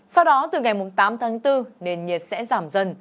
sau đó từ ngày tám tháng bốn nền nhiệt sẽ giảm dần